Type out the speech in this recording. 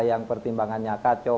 yang pertimbangannya kacau